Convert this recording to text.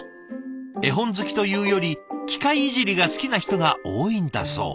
絵本好きというより機械いじりが好きな人が多いんだそう。